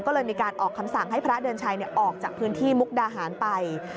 ก็เลยมีการออกคำสั่งให้พระเดือนชัยออกจากพื้นที่มุกดาหารไป